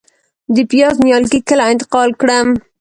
د پیاز نیالګي کله انتقال کړم؟